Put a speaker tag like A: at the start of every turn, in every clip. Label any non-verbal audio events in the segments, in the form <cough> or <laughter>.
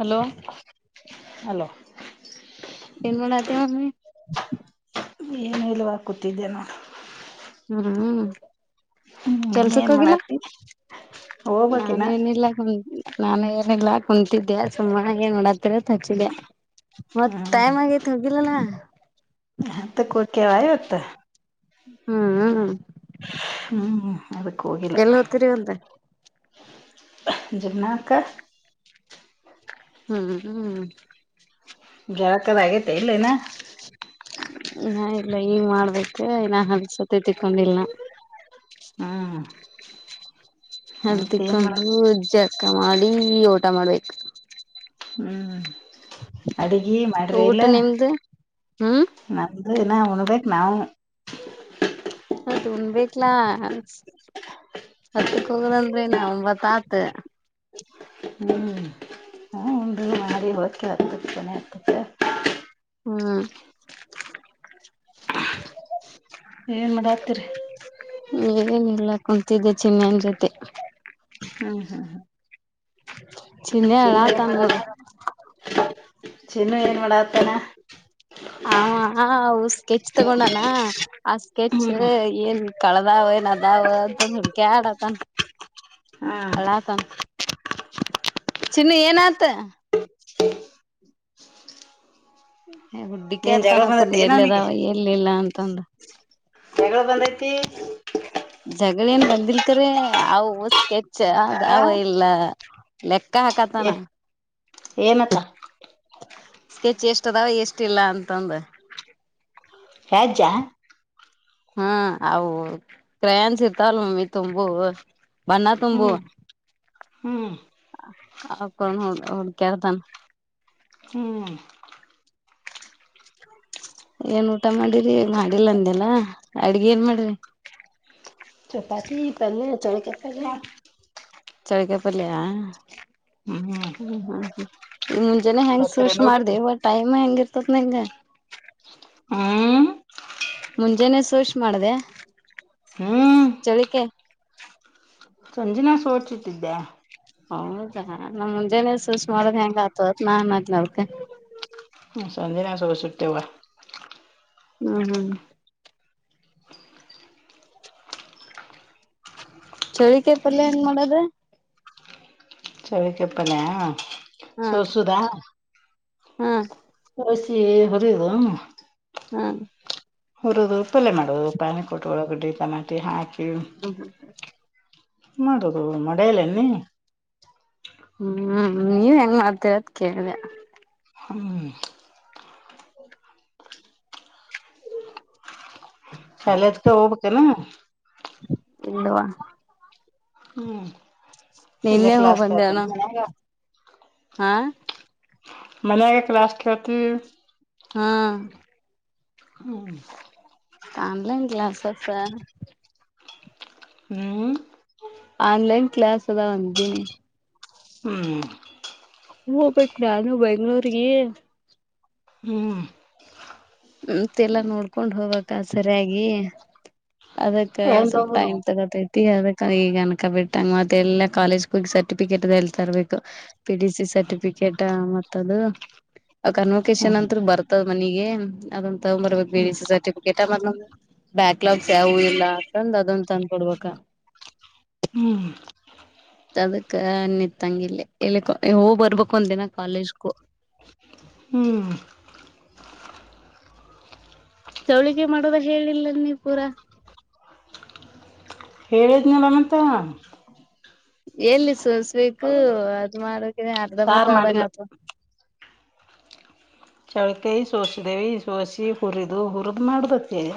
A: Hello
B: <inaudible> hello.
A: ಏನ್ ಮಾಡತ್ತೆ <inaudible>
B: ಏನು ಇಲ್ವ ಕೂತಿದ್ದೆ ನಾನು
A: ಹ್ಮಹು
B: ಹ್ಮ್
A: ಕೆಲ್ಸಕ್ಕ್
B: ಏನ್
A: ಹೋಗಿಲ್ಲ
B: ಮಾಡತಿ ಹೋಗ್ಬೇಕಿನ
A: ನಾನೇನಿಲ್ಲ. ನಾನು ಏನಿಲ್ಲಾ ಕುಂತಿದ್ದೆ ಸುಮ್ಮ ಏನ್ ನೋಡಾತ್ತಿರಂತ ಹಚ್ಚಿದೆ. ಮತ್ತ
B: ಹ್ಮ್
A: ಟೈಮ್ ಆಗಿತ್. ತಗ್ದಿಲಲ.
B: ಹತ್ತ ಕುಕ್ಕೆವಾಯ ಹೊತ್ತ.
A: ಹ್ಮಹುಂ
B: ಹ್ಮ್ ಹು
A: ಎಲ್ಲ್ ಹೋಗತಿರಿ ಅಂತ
B: <inaudible>
A: ಹ್ಮ್ ಹ್ಮ್
B: ಗ್ಯಾದ್. ಹಕ್ಕದಗೈತೆ ಇಲ್ಲೇನಾ
A: ಹಾ ಇಲ್ಲ ಈಗ ಮಾಡ್ಬೇಕ ಇ ಅನ್ಸತಿ ತಿಕೊಂಡಿಲ್ನ
B: ಹ್ಮ್ ಮತ್ತ
A: ಹತಿ
B: ಏನ್ ಮಾಡ
A: ಕೊಂಡು ಅಕ್ಕ ಮಾಡಿ ಊಟ ಮಾಡ್ಬೇಕ್.
B: ಹ್ಮ್. ಅಡಿಗಿ ಮಾಡ್ರಿ ಇಲ್ಲ
A: ಊಟ ನಿಮ್ದು ಹ್ಮ್
B: ನಾನ್. ಇನ ಊಣ್ ಬೆಕ್ ನಾವು
A: ಹತ್ ಉಣಬಿಟ್ಲಾ ಹತ್ತುಕ್ ಹೋಗದಂದ್ರಿ ನ ಒಂಬತ್ತಾತ್.
B: ಹ್ಮ್ ಹಾ ಉಂಡು ಮಾಡಿ ಹೋದಕ್ಕೆ ಅ ಚೆನ ಇರ್ತದೆ
A: ಹ್ಮ್
B: ಏನ್ ಮಾಡಾತ್ತಿರಿ.
A: ಏನಿಲ್ಲ ಕುಂತಿದ್ದೆ ಚಿನ್ನಯನ್ ಜೊತೆ.
B: ಹ್ಮ್ ಹ್ಮ್ ಹ್ಮ್
A: <inaudible> ಚಿನ್ನಯ್ಯ
B: ಚಿನ್ನು ಏನ್ ಮಾಡ
A: ಆಳತನ್ನೋಡ್.
B: ಚಿನ್ನು ಏನ್ ಮಾಡ ಆತಾನ.
A: ಹ ಹ ಹೌಸ್ ಕೆಚ್ ತಗೊಂಡಾನ. ಆ ಸ್ಕೆಚ್
B: ಹ್ಮ್
A: ಏನ್ ಕಳದಾವನದಾವ ಅಂತಂದ ಹುಡ್ಕ್ಯಾಆಡತನ್
B: ಹಾ
A: ಅಳಾತನ್. ಚನ್ನ ಏನತ. ಹ್ಮ
B: ಏನ್ ಜಗಳ
A: ಹುಡುಕ್ಯಾಡ್ತಾನಕ
B: ಬಂದತ್ತ ಏನ ಅವ್ನಿಗೆ
A: ಎಲ್ಲಿದಾವ ಎಲ್ಲಿಲ್ಲ ಅಂತ. <unintelligible>
B: ಹೆಗಳು ಬಂದೈತಿ.
A: ಜಗಳ ಏನ್ ಬಂದಿಲ್ಕರೆ ಆವು ಸ್ಕೆ ಛೆ
B: ಆ
A: ಅದ್ ಅವು ಇಲ್ಲ. ಲೆಕ್.. ಕಾ
B: ಏ
A: ಕತಾನ.
B: ಏನತ್ತ
A: ಸ್ಕೆಚ್ ಎಷ್ಟಿದಾವ ಎಷ್ಟಿಲ್ಲ ಅಂತಂದು.
B: ಹೇಜ್ಜಾ
A: ಹ್ಮ ಅವು ಕ್ರಯನ್ಸ್ ಇರ್ತವಲ್ ಮಮ್ಮಿ ತುಂಬವು. ಬಣ್ಣ ತುಂಬು.
B: ಹ್ಮ್ ಹ್ಮ್.
A: ಆ ಕ ಹ ಹ ಕೆಳ್ತಾನ.
B: ಹ್ಮ್.
A: ಏನ್ ಊಟ ಮಾಡಿರಿ ಮಾಡಿಲ್ಲ ಅಂದ್ಯಲ್ಲ ಅಡ್ಗಿ ಏನ್ ಮಾಡ್ರಿ.
B: ಚಪಾತಿ ಪಲ್ಯ ಚವಳಿಕಯಿಐಞಙ ಕೆಪ್ಪ
A: ಚಳಕಾಯಿ ಪಲ್ಯ ಹ್ಮ
B: ಹ್ಮ್
A: ಹ್ಮ ಹ್ಮ ಮುಂಜಾನೆ ಹೆಂಗ್ ಸ್ವಶ್
B: ಬರ್ತೀರೇನ್
A: ಮಾಡದೆ
B: ಊಟಕ್ಕೆ
A: ಬಟ್ ಆಯಮ್ಮ ಹೆಂಗ ಇರ್ತತಿ. ನಿಂಗಾ.
B: ಹ್ಮ್
A: ಮುಂಜಾನೆ ಸ್ವಿಷ್ ಮಾಡ್ದೆ.
B: ಹ್ಮೂ.
A: ಚಳಿಕೆ.
B: ಸಂಜಿನಾ ಸೋಚಿಚಿಟ್ಟಿದ್ದೆ.
A: ಹೌದಾ ನಮ್ ಮುಂಜಾನೇ ಸ್ವಿಶ್ ಮಾಡದ ಹೆಂಗ ಆತತ್ <inaudible>
B: ಸಂಜೆನಾಸೊಬ ಸಟ್ಟತೆವ
A: ಹ್ಮ್ ಹ್ಮ್ ಚಳಿಕಾಯ್ ಪಲ್ಯ ಹೇಂಗ್ ಮಾಡದು.
B: ಚಳಿಕಾಯ್ ಪಲ್ಯ.
A: ಹಾ
B: ಸೋಸುದಾ..
A: ಹಾ
B: <inaudible> ಎ ಹೋರಿವ
A: ಹಾ
B: ಹೋರದು. ಪ್ಪಲೆ ಮಾಡುವುದು ಪಾಲಿ ಕೊಟ್ಟ ಒಳಗಡೆ ಎ ಟಮಾಟಿ ಹಾಕ
A: <inaudible>
B: ಮಾಡದು ಮಾಡೇಯಲ್ಲೆನ್ ನೀ
A: ಹ್ಮ್ ನೀವ್ ಹೆಂಗ್ ಮಾಡ್ತೀರದ ಕೇಳ್ದೆ.
B: ಹ್ಮ ಸಲೆದಕ್ಕ ಹೋಗಬೇಕನ.
A: ಎಲ್ಲಾ.
B: ಹ್ಮ್ ಇಲ್ಲೇ
A: ನಿನ್ನೆ ಹೋಗ್
B: ಕ್ಲಾಸ್
A: ಬಂದೇವಣ
B: ಕೇಳ್ತೇನ ಮನ್ಯಾಗ.
A: ಹಾ
B: ಮನ್ಯಾಗ ಕ್ಲಾಸ್ಕ್ಕೆತಿ.
A: ಹ
B: ಹ್ಮ
A: ಆನ್ಲೈನ್ ಕ್ಲಾಸಸ್.
B: ಹ್ಮ್
A: ಆನ್ಲೈನ್ ಕ್ಲಾಸ್ ಅದ ಅಂದಿನಿ.
B: ಹ್ಮ್
A: ಹೋಗ್ಬೇಕ ನಾನು ಬೆಂಗಳೂರ್ಗೆ.
B: ಹ್ಮ್
A: ಮತ್ತೆಲ್ಲಾ ನೋಡ್ಕೊಂಡ್ ಹೋಗಕ್ಕ ಸರಿಯಾಗಿ ಅದಕ್ಕ
B: ಏನ್
A: ಸ್ವಲ್
B: ತಗೋದು
A: ಟೈಮ್ ತಗೋತೈತಿ ಅದಕ್ ಈಗ ಅನ್ಕ ಬಿಟ್ಟಂಗ ಮತ್ತ ಎಲ್ಲಾ ಕಾಲೇಜ್ ಹೋಗಿ ಸರ್ಟಿಫಿಕೇಟ್ ಅ ಹೇಳ್ತರ್ಬೇಕು ಪಿ ಡಿ ಸಿ ಸರ್ಟಿಫಿಕೇಟ್ ಮತ್ತದು
B: ಹ್ಮ್
A: ಕನ್ವೊಕೇಶನ್ ಅಂತ ಬರ್ತದ್ ಮನಿಗೆ ಅದನ್ ತಗೊಂಡ್ ಬರ್ಬೇಕ
B: ಹ್ಮ್
A: ಬಿ ಿಸಿ ಸರ್ಟಿಫಿಕೇಟ್ ಮ ಬ್ಯಾಕ್ಲಾಗ್ಸ್ ಯಾವು ಇಲ್ಲ ಅಂತಂದ ಅದೊಂದು ತಂದ್ ಕೊೊಡ್ಬೇಕ
B: ಹ್ಮ್
A: ಅದಕ್ಕ ನಿತ್ತಂಗಿಲ್ಲ ಇಲ್ಲಿ ಹೋಗ ಬರ್ಬೇಕು ಒಂದ ದಿನ ಕಾಲೇಜ್ಗೂ
B: ಹ್ಮ್
A: ಚೌಳಿಕೆ ಮಾಡೋದ ಹೇಳಿಲ್ಲ ನೀವ್ ಪೂರಾ
B: ಹೇಳೇದ್ನನಲ್ಲ ಮತ್ತ
A: ಎಲ್ಲಿ ಸಸ್ಬೇಕು ಅದ ಮಾಡಕ್ ಇ
B: ಸಾರ್
A: ಅರ್ಧಂಬರ್ದ
B: ಮಾಡಿಲ್ಲ
A: ಆದದಂಗ ಅ
B: ಚೌಳಿಕಾಯ್ ಸೋಸಿದೆ ಸೋಸಿ ಹುರಿದು ಹುರದ್ ಮಾಡಬೇಕು ನೀನು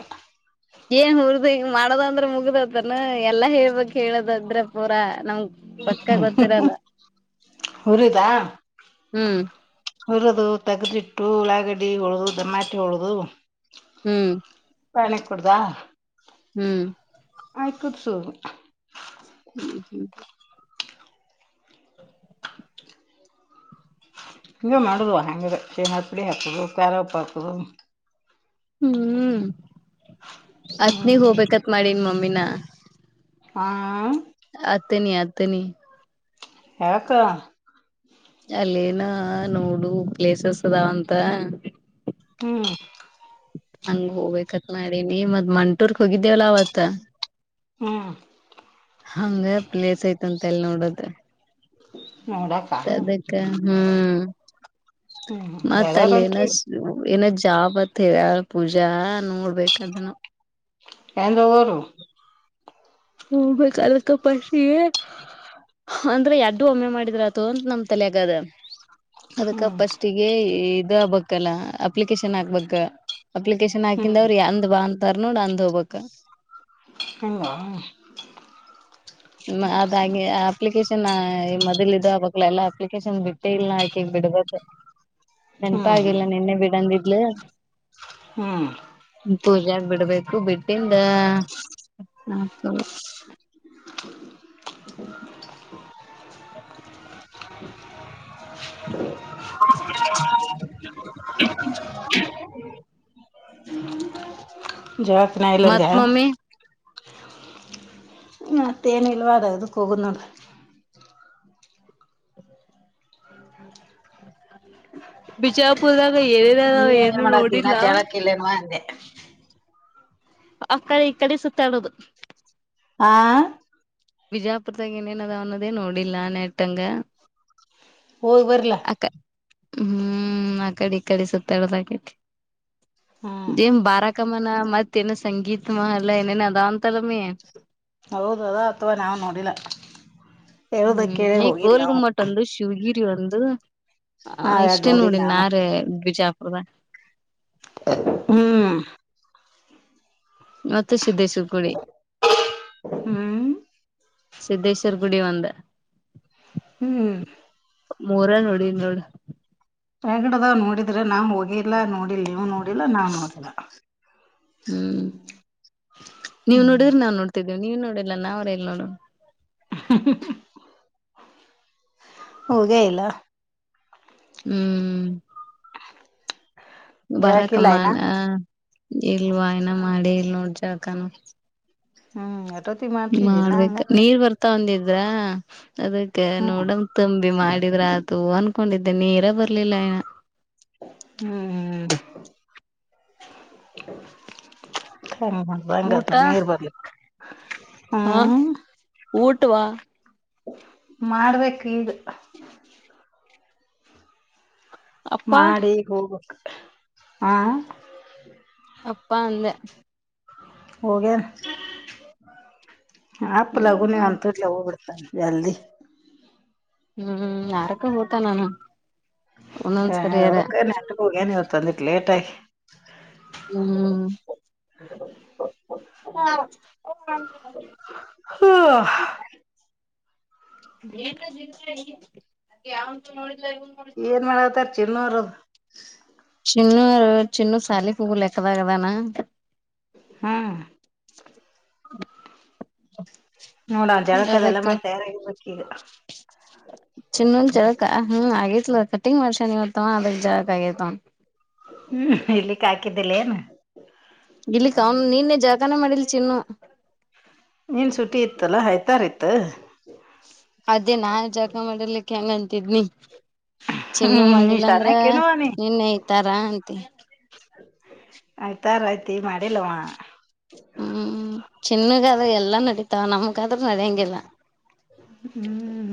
A: ಏನ್ ಹರ್ದ ಮಾಡದ ಅಂದ್ರೆ ಮುಗ್ದತನ ಎಲ್ಲಾ ಹೇಳ್ಬೇಕ ಹೇಳದದ್ರ ಪೂರಾ ನಮ
B: ಹುರಿದಾ
A: ಹ್ಮ್
B: ಹುರದು ತಗ್ದಿಟ್ಟು ಉಳ್ಳಾಗಡ್ಡಿ ಹೊಳದು ಟಮಾಟಿ ಹೊಳದು
A: ಹ್ಮ್
B: ಪಾನಿ ಕುಡದಾ.
A: ಹ್ಮ್
B: ಆಯಕುತ್ಸು.
A: ಹ್ಮ್ ಹ್ಮ್ ಹ್ಮ <inaudible>
B: ಹಿಂಗೆ ಮಾಡುದವ ಹಂಗ ಚೇನ ಪುಡಿ ಹಾಕುದು ಕಾರುಪ್ಪ ಹಾಕುದು.
A: ಹ್ಮ್ ಹತ್ನಿಗ್
B: ಹ್ಮ್
A: ಹೋಗ್ಬೇಕತ್ ಮಾಡನ್ ಮ ಮಿನ
B: ಹಾ
A: ಅಥನಿ ಅಥನಿ.
B: ಯಾಕ
A: ಅಲ್ಲೇನೊ ನೋಡು ಪ್ಲೇಸಸ್ ಅದಾವ ಅಂತ.
B: ಹ್ಮ್
A: ಹಂಗ ಹೋಗ್ಬೇಕತ್ ಮಾಡಿನಿ ಮತ್ ಮಂಟೂರ್ಗ ಹೋಗಿದ್ದೇವಲ್ಲ ಅವತ್ತ.
B: ಹ್ಮ್
A: ಹಂಗೆ ಪ್ಲೇಸ್ ಐತಂತ ಮಲ್ ನೋಡಿದ್ರೆ.
B: <inaudible>
A: ಮತ್ ಅದಕ್ಕ ಹ್ಮ.
B: ಹ್ಮ್
A: ಮತ್ತ ಅಲ್ಲಿ ಏನ
B: ಯಾರಾರಂಟ್ರಿ
A: ಏನ್ ಜಾಬತ್ ಹೇಳ. ಪೂಜಾ ನೋಡ್ಬೇಕದನ್ನ.
B: ಎಂಗವರು.
A: ಹಾಲಕ್ಕಪ್ಪಶಿ ಅಂದ್ರೆ ಎಡ್ಡು ಒಮ್ಮೆ ಮಾಡಿದ್ರ ಅತು ಅಂತ ನಮ್ ತಲೆೆಯಗದ. ಅದಕ್ಕ
B: ಹ್ಮ್
A: ಪಸ್ಟಿಗೆ ಇದ ಬಕ್. ಎಲ್ಲ ಅಪ್ಲಿಕೇಶನ್ ಆಕ್ಬೇಕು. ಅಪ್ಲಿಕೇಶನ್ ಹಾಕಿಂದ
B: ಹ್ಮ್
A: ಅವ್ರರು ಎಂದ್ ಬಾನ್. ತರ್ ನೋಡ ಅಂದ ಹೋಗಬಕ್ಕ.
B: ಹಂಗ
A: ಅದಾಗಿ ಅಪ್ಲಿಕೇಶನ್ನೇ ಮೊದ್ಲ. ಇ ಆಕ್ಲ ಎಲ್ಲಾ ಅಪ್ಲಿಕೇಶನ್ ಬಿಟ್ಟೆ ಇಲ್ಲ ಆಕಿಗ್ ಬಿಡಬೇಕು.
B: ಹ್ಮ್
A: ನೆನಪ
B: ಹ್ಮ್
A: ಆಾಗಿಲ್ಲ ನಿನ್ನೆ ಬಿಡಂದಿದ್ದ.
B: ಹ್ಮ್
A: <unintelligible> ಪೂಜಾಗ ಬಿಡಬೇಕ್. ಬಿಟ್ಟಿಂದ ನಾ
B: ಹ
A: <inaudible>
B: <inaudible> <inaudible>
A: <inaudible>
B: <inaudible> ಜಾತ್ನ ಇಲ್ಲಂದ
A: ಮತ್ ಮಮ್ಮಿ
B: ಮತೇನ ಇಲ್ಲವಾ ಅದ ಇದುಕ್ಕ ಹೋಗದ ನೋಡ.
A: ಹ್ಮ ಬಿಜಾಪುರದ. ಈಗ ಏನಿದವ
B: ನೀವ ಏನ್
A: ಏನು
B: ಮಾಡಾತಿ
A: ನೋಡಿಲ್ಲ.
B: ಇನ್ನ ಜಳಕ್ಕ ಇಲ್ಲೇನ್ವಾ ಅಂದೆ
A: ಅಕ್ಕ ಈ ಕಡೆ ಸುತ್ತಾಡೋದು.
B: ಆ
A: ಬಿಜಾಪುರದಾಗ ಏನೇನ ಅದಾವ ಅನ್ನೋದೇ ನೋಡಿಲ್ಲ ನೆಟ್ಟಂಗ.
B: ಓಗ್ ಬರ್ರಲ.
A: ಅಕಡಿ ಇಕಡಿ ಸುತ್ತಡದಾಕೆತಿ.
B: ಹ್ಮ್
A: ಜೇಮ್ ಬಾರಾಕಮಾನ ಮತ್ತೆನ ಸಂಗೀತ. ಮಲ್ಲ ಏನೇನೊ ಅದಾವಂತಲಮಿ.
B: ಹೌದು ಅಥವಾ ನಾವ್ ನೋಡಿಲ್ಲ. ಹೇಳುದ ಕೇಳಿ
A: ಹ್ಮ್
B: ಹೋಗಿಲ್ಲ
A: ಗೋಲ್
B: ನಾವು
A: ಗುಮ್ಮಟ್ಟ ಒಂದು ಶಿವಗಿ ಒಂದು.
B: ಹಾ
A: ಹ
B: ಎರಡ್
A: ಇಷ್ಟೇ
B: ನೋಡಿನ್
A: ನೋಡಿ
B: ನಾನು
A: ನಾರೇಬಿಜಾ. ಹೌದಾ
B: ಹ್ಮ್
A: ಮತ್ತೆ ಸಿದಿದ್ದೇಶ್ವರ್ ಕುಡಿ
B: ಹ್ಮ್
A: ಸಿದಿದ್ದೇಶ್ವರ್ ಗುಡಿ ಒಂದ.
B: ಹ್ಮ್
A: ಮೂರೆ ನೋಡಿನ್ ನೋಡು.
B: ರಗಡದ್ ನೋಡಿದ್ರೆ ನಾನ್ ಹೋಗಿಲ್ಲಾ ನೋಡಿಲ್ ನೀವು ನೋಡಿ.
A: ಹ್ಮ್ ನೀವು ನೋಡಿದ್ರೆ ನಾನ್ ನೋಡ್ತಿದ್ದೇವ ನೀವ ನೋಡ ಇಲ್ಲ ನಾ ಅವರೇಲ್ಲ ನೋಡನ
B: ಹೋಗೇ ಇಲ್ಲ.
A: ಹ್ಮ್
B: ಜಳಕಿಲ್ಲ ಇನ
A: ಬಾರಕಮನ್ ಇಲ್ವಾ ಏನ ಮಾಡೇ ಇಲ್ ನೋಡ್ ಜ. ಕನು
B: ಹ್ಮ್ ಎಟೋತಿ
A: ಹ್ಮ
B: ಮಾಡ್ತಿದ್ದೀನ
A: ಮಾಡ್ಬೇಕ
B: ಹಂಗಂದ್ರ
A: ನೀರ್ ಬರ್ತಾ ಒಂದಿದ. ಹೌದ ಅದಕ್ಕೆ
B: ಹ್ಮ್
A: ನೋಡಮ ತಂಬಿ ಮಾಡಿದ್ರ ಆತು ಅನ್ ಹಕೊಂಡಿದ್ದೆ ನೀರ ಬರ್ಲಿಲ್ಲ ಆ.
B: ಹ್ಮ್ ಹ್ಮ್ ಹಂಗ ಮಾಡ
A: ಊಟ
B: ಹಂಗಂದ್ರ ನೀರ್ ಬರ್ಲಿಕ್ಕೆ
A: ಹಾ
B: ಹ್ಮ್.
A: ಊಟವಾ
B: ಮಾಡ್ಬೇಕ್ ಈಗ.
A: ಅಪ್ಪ
B: ಮಾಡಿ ಈಗ ಹೋಗಬೇಕ. ಆ
A: ಅಪ್ಪಾ ಅಂದೆ.
B: ಹೋಗ್ಯಾರ. ಅಪ್
A: ಹ್ಮ್
B: ಲಗುನ
A: ಹ್ಮ್
B: ಅಂತ ಇಡ್ಲ ಹೋಗಬ ಬಿಡ್ತಾನೆ. ಜಲ್ದಿ
A: ಹ್ಮ್ ಆರಕ್ಕೂ ಹೊತನನು.
B: ಹ ನಟೋಗ ನೀತ್ತುಂದಿ ಲೇಟ್ ಆಗಿ. ಹೂ
A: ಹ್ಮ್ ಏನ <unintelligible>
B: <unintelligible> ಹನಾರದ.
A: ಚನ್ನು ಚಿನ್ನು ಸಾಲಿ ಪೂ ಲೆಕ್ಕದಾಗದಾನ.
B: ಹ್ಮ್
A: ಹ
B: ನೋಡ ಜಾಗಕ್ಕೆದಲ್ಲ ಮಾಡ ತಯಾರ
A: ಚಿನ್ನಗ್ ಜಳಕ. ಹ್ಮ್ ಆತ್ಲ ಕಟಿಂಗ್ ಮಾಡ್ಸ್ಯ ನೀವ ತ ಅದಕ್ಕೆ <unintelligible>
B: ಕಾಕ ಇದಲ್ಲೇನು.
A: ಗಿಳಿಕ ಅವ ನಿನ್ನೆ ಜಾ ಕನ ಮಡಲ್ ಚಿನ್ನು.
B: ನನ್ ಸುಟ್ಟಿ ಇತ್ತಲ್ಲಾ ಆಯ್ತಾರ್ ಇತ್.
A: ಅದೇ ನಾ ಜಳಕ ಮಾಡಲಿಕ್ಕೆ. <unintelligible> ಅಂತಿದ್ವಿ. ಚಿನ್ನು
B: ಹ್ಮ್ ನೀ
A: ಮಾಡಿಲ್ಲ ಅಂದ್ರ
B: ಶಾನ್ಯಾಕೇನವ್ವ ನೀ
A: ನಿನ್ನೆ ಐತಾರ ಅಂತೆ.
B: ಆಯ್ತಾರಯ್ತಿ ಮಾಡಿಲ್ಲವ.
A: ಹ್ಮ್ ಚಿನ್ನುಗಾದ್ರ ಎಲ್ಲಾ ನಡಿತಾವ ನಮಗಾದ್ರೂ ನಡಿಯಂಗಿಲ್ಲ.
B: ಹ್ಮ್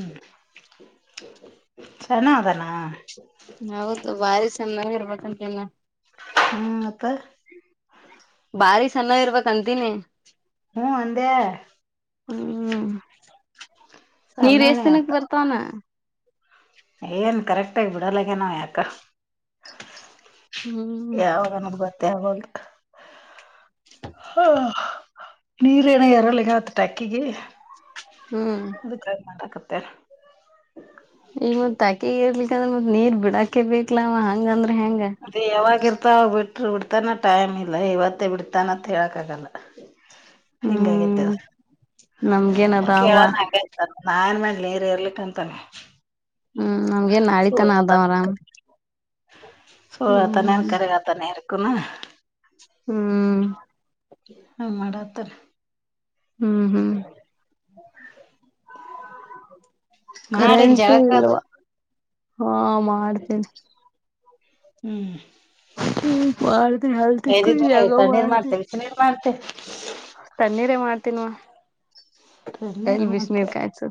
B: ಚನ್ನ ಅದಾನ.
A: ಹೌದು ಬಾರಿ <unintelligible>
B: ಹ್ಮ್ ಮತ್ತ
A: ಬಾರಿ ಸಣ್ಣ ಇರಬೇಕ್. ತಂದಿನಿ.
B: ಹ್ಮ್ ಅಂದೆ
A: ಹ್ಮ
B: ಸಣ್ಣಾನೇ
A: ನೀರೇಸದಿನಕ್ಕ
B: ಅಂತ
A: ಬರ್ತಾನ.
B: ಏನ್ ಕರೆಕ್ಟ ಆಗಿ ಬಿಡಲ್ಲಗನಾ ಯಾಕ.
A: ಹ್ಮ್
B: ಯಾವಾಗನ್ನೋದು ಗೊತ್ತೆ ಆಗ್ವಲ್ಡು. ಹ ನೀರ ಏನ ಏರಲ್ಲಿ ಆಗವ ಆತ್ ಟಾಕ್ಕಿಗೆ.
A: ಹ್ಮ್
B: <unintelligible> ತ್ತ.
A: ಈಗ ಮತ್ ಟಾಕಿಗಿ ಇರ್ಲಿಕಂದ್ರೆ ಮತ್ ನೀರ್ ಬಿಡಾಕೆ ಬೇಕ. <unintelligible> ಹಂಗ ಅಂದ್ರೆ
B: ಅದೇ ಯಾವಾಗಿರ್. ಬಿಟ್ಟ್ರರು ಬಿಡ್ತಾನ ಟೈಮ್ ಇಲ್ಲ ಇವತ್ತೇ ಬಿಡ್ತಾನಂತ ಹೇಳಕ್ ಆಗಲ್ಲ.
A: ಹ್ಮ್
B: ಹಿಂಗಾಗಿದ್ದೇವ
A: ನಮ್ಗೇನ್ ಅದಾವ
B: ಕೇಳೋನ್ತ ನಾನ್ ಮಾಡ ನೀರು ಎರ್ಲಿಕ್ಕ ಅಂತಾನ.
A: ಹ್ಮ್ ನಮ್ಗೇನ್ ನಾಳಿತನ ಆದದಾ ಅರಾಮ್.
B: ಸುಲ್ ಹೇಳ್ತಾನ ಕರೆ ಹೇಳ್ತಾನ ಯಾರಿಗ್ <unintelligible>
A: ಹ್ಮ್
B: ಹ ಮಾಡತ್. ತ್ತ
A: ಹ್ಮ್ ಹ್ಮ್
B: ಮಾಡಿನ್
A: ಕರೆಂಟು
B: ಜಳಕ ಅದು
A: ಇಲ್ವಾ. ಹಾ ಮಾಡ್ತೇನೆ.
B: ಹ್ಮ್
A: ಹ್ಮ್ <inaudible> ಬಾರದೆ ಹಾಲತಿ ಕ ಜಾಗ ಬಾರತಿ <inaudible>
B: ತಿ
A: ತನ್ನೀರ್ ಮಾಡ್ತೀನ್ವ ಎಲ್
B: ತಣ್ಣೀರ್
A: ಬಿಸ್ಣೀರ್
B: ಮಾಡ್ತೀಯ
A: ಕಾಯ್ಸು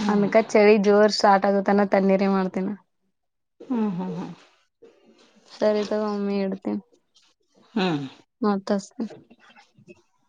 B: ಹ್ಮ್
A: ಅನಕ ಚಳಿ ಜೋರ್ ಸಾತ್ ಅದು ತಾನ್ ತಣ್ಣೀರಿ ಮಾಡ್ತೇನಿ
B: ಹ್ಮ್ ಹ್ಮ್ ಹ್ಮ್
A: ಸರಿ ತಗೋ ಮಮ್ಮಿ ಇಡ್ತನಿ.
B: ಹ್ಮ್
A: ಮತ್ತ್ <inaudible>